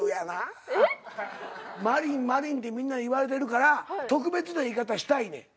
真凜真凜ってみんなに言われてるから特別な言い方したいねん。